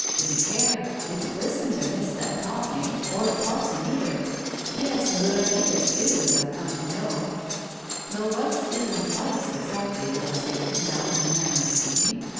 Didn't care, didn't listen to Miss that taught me, or to Parson, either. He had some good ideas too, as Pve come to know, though Vice isn't Vice exactly with us here, now, in a manner of speaking.